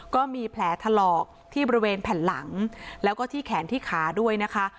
ก็มีแผลถลอกที่บริเวณแผ่นหลังแล้วก็ที่แขนที่ขาด้วยนะคะ